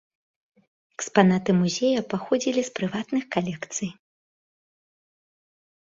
Экспанаты музея паходзілі з прыватных калекцый.